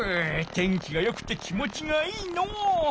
天気がよくて気持ちがいいのう！